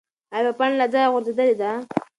ایا پاڼه له ځایه غورځېدلې ده؟